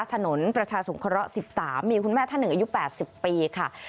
ถนนประชาสงเคราะห์๑๓มีคุณแม่ท่านหนึ่งอายุ๘๐ปีค่ะ